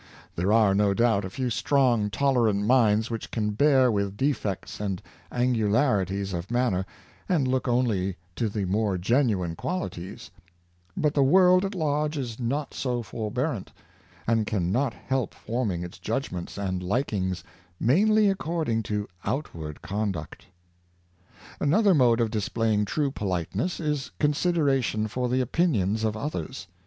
There are, no doubt, a few strong tolerant minds which can bear with defects and angularities of manner, and look only to the more genuine qualities; but the world at large is not so forbearant, and can not help forming its judg ments and likings mainly according to outward con duct. Another mode of displaying true politeness is con sideration for the opinions of others.